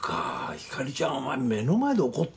ひかりちゃんお前目の前で怒ってるんだぞ。